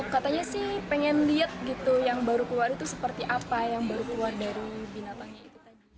katanya sih pengen lihat gitu yang baru keluar itu seperti apa yang baru keluar dari binatangnya itu tadi